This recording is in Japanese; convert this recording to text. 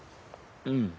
うん。